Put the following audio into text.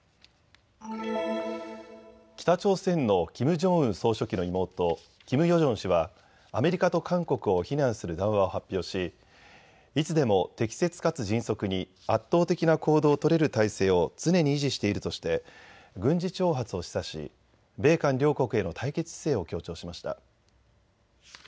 北朝鮮のキム・ジョンウン総書記の妹、キム・ヨジョン氏はアメリカと韓国を非難する談話を発表しいつでも適切かつ迅速に圧倒的な行動を取れる態勢を常に維持しているとして軍事挑発を示唆し米韓両国への対決姿勢を強調しました。